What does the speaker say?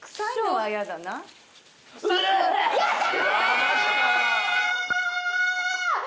やった！